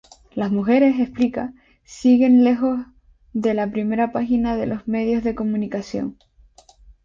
Las mujeres -explica- siguen lejos de la primera página de los medios de comunicación.